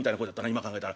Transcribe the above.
今考えたら。